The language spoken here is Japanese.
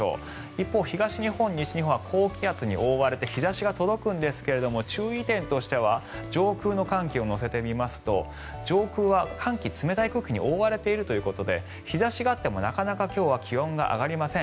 一方、東日本、西日本は高気圧に覆われて日差しが届くんですが注意点としては上空の寒気を乗せてみますと上空は寒気、冷たい空気に覆われているということで日差しがあっても、なかなか今日は気温が上がりません。